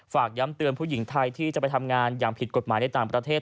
ฝากย้ำเตือนผู้หญิงไทยที่จะไปทำงานอย่างผิดกฎหมายในต่างประเทศ